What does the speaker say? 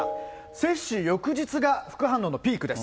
接種翌日が副反応のピークです。